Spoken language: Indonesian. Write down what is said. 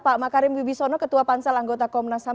pak makarim bibisono ketua pansel anggota komnas ham